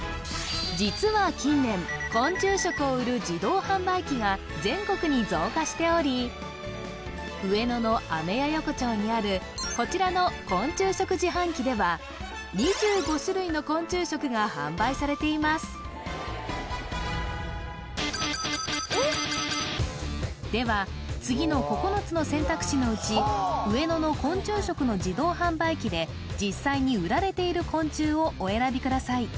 実は近年昆虫食を売る自動販売機が全国に増加しており上野のアメヤ横町にあるこちらの昆虫食自販機ではでは次の９つの選択肢のうち上野の昆虫食の自動販売機で実際に売られている昆虫をお選びください